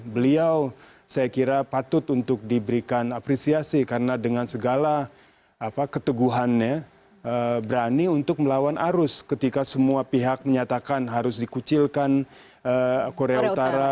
beliau saya kira patut untuk diberikan apresiasi karena dengan segala keteguhannya berani untuk melawan arus ketika semua pihak menyatakan harus dikucilkan korea utara